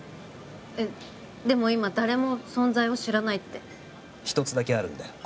えっでも今誰も存在を知らないって一つだけあるんだよ